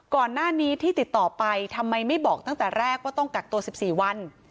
ก่อนหน้านี้ที่ติดต่อไปทำไมไม่บอกตั้งแต่แรกว่าต้องกักตัว๑๔วัน